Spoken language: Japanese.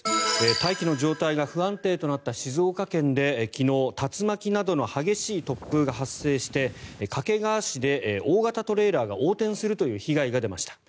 大気の状態が不安定となった静岡県で昨日、竜巻などの激しい突風が発生して掛川市で大型トレーラーが横転するという被害が出ました。